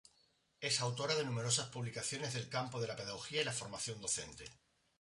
Es autora de numerosas publicaciones del campo de la pedagogía y la formación docente.